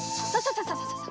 ササササ。